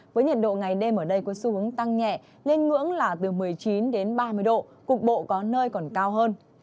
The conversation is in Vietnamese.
với nhiệt độ ngày đêm ở đây có xu hướng tăng nhẹ lên ngưỡng là từ một mươi chín đến ba mươi độ cục bộ có nơi còn cao hơn